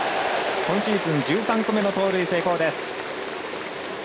今シーズン１３個目の盗塁成功。